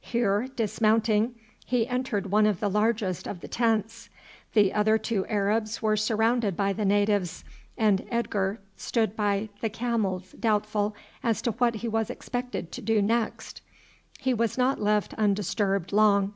Here dismounting he entered one of the largest of the tents. The other two Arabs were surrounded by the natives, and Edgar stood by the camels doubtful as to what he was expected to do next. He was not left undisturbed long.